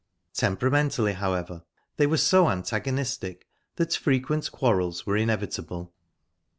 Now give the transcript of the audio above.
Temperamentally, however, they were so antagonistic that frequent quarrels were inevitable.